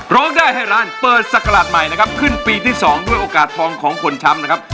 ร้องได้ให้ร้านเปิดศักราชใหม่นะครับขึ้นปีที่๒ด้วยโอกาสทองของผลช้ำนะครับ